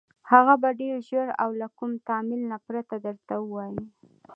هغه به ډېر ژر او له كوم تأمل نه پرته درته ووايي: